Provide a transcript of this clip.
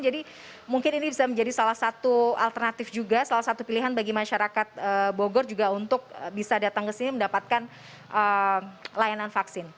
jadi mungkin ini bisa menjadi salah satu alternatif juga salah satu pilihan bagi masyarakat bogor juga untuk bisa datang ke sini mendapatkan layanan vaksin